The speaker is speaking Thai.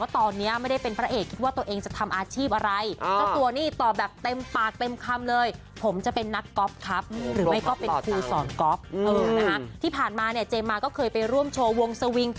ตอนนี้ไม่ได้เป็นพระเอกคิดว่าตัวเองจะทำอาชีพอะไร